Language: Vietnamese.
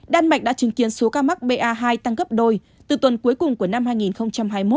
đan mạch đã chứng kiến số ca mắc ba hai tăng gấp đôi từ tuần cuối cùng của năm hai nghìn hai mươi một